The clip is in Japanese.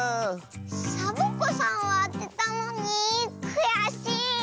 サボ子さんはあてたのにくやしい。